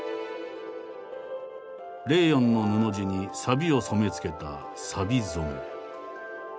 レーヨンの布地にさびを染め付けた「さび染め」。